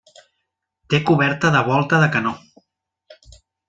Té coberta de volta de canó.